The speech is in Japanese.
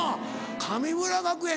神村学園